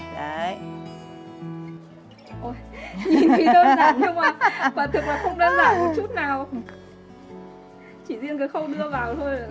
chỉ riêng cái khâu đưa vào thôi